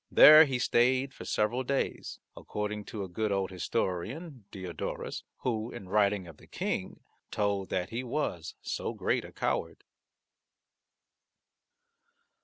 There he stayed for several days, according to a good old historian, Diodorus, who in writing of the King told that he was so great a coward.